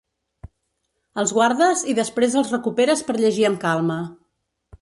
El guardes i després el recuperes per llegir amb calma.